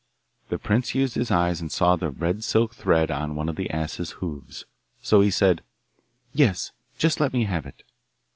The prince used his eyes and saw the red silk thread on one of the ass's hoofs, so he said, 'Yes, just let me have it.